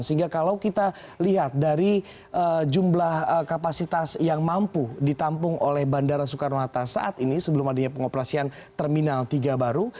sehingga kalau kita lihat dari jumlah kapasitas yang mampu ditampung oleh bandara soekarno hatta saat ini sebelum adanya pengoperasian terminal tiga baru